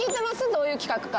どういう企画か。